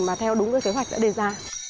mà theo đúng cái kế hoạch đã đề ra